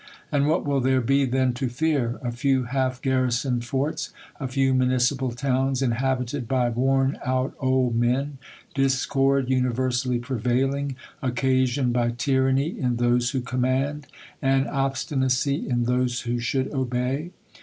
And what will there be then to fear ? A few half garrisoned forts : a few municipal towns, inhabited by worn out old men ; discord universally prevailing, oc casioned by tyranny in those who command, and ob stinacy in those Avho should obey.